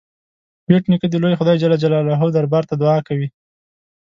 بېټ نیکه د لوی خدای جل جلاله دربار ته دعا کوي.